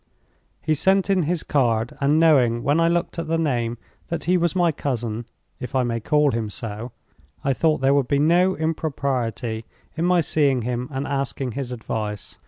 He sent in his card, and knowing, when I looked at the name, that he was my cousin—if I may call him so—I thought there would be no impropriety in my seeing him and asking his advice.